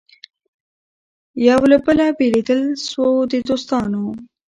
یو له بله بېلېدل سوه د دوستانو